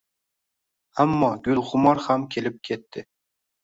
Ammo Gulxumor ham kelib ketdi